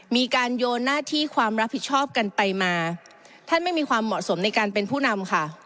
มีการโยนหน้าที่ความรับผิดชอบกันไปมาท่านไม่มีความเหมาะสมในการเป็นผู้นำค่ะ